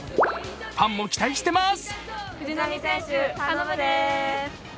ファンも期待しています。